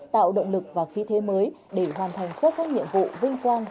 tạo động lực và khí thế mới để hoàn thành xuất sắc nhiệm vụ vinh quang